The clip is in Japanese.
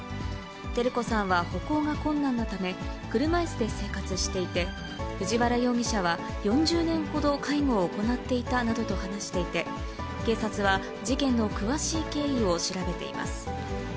照子さんは歩行が困難なため、車いすで生活していて、藤原容疑者は４０年ほど介護を行っていたなどと話していて、警察は事件の詳しい経緯を調べています。